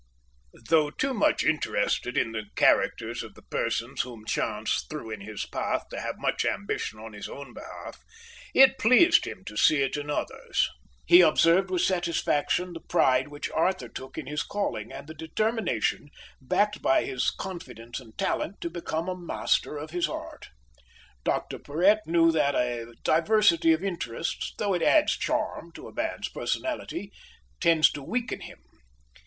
Though too much interested in the characters of the persons whom chance threw in his path to have much ambition on his own behalf, it pleased him to see it in others. He observed with satisfaction the pride which Arthur took in his calling and the determination, backed by his confidence and talent, to become a master of his art. Dr Porhoët knew that a diversity of interests, though it adds charm to a man's personality, tends to weaken him.